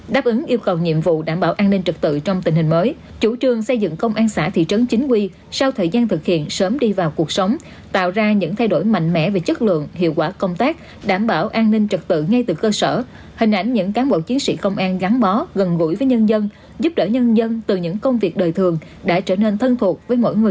đáp ứng yêu cầu về chất lượng hồ sơ và tiến độ được chính phủ thủ tướng chính phủ đánh giá cao